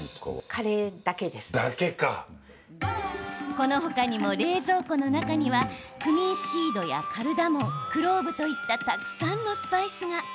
この他にも冷蔵庫の中にはクミンシードやカルダモンクローブといったたくさんのスパイスが。